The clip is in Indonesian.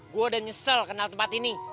gue udah nyesel kenal tempat ini